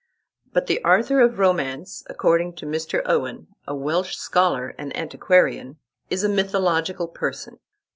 But the Arthur of romance, according to Mr. Owen, a Welsh scholar and antiquarian, is a mythological person.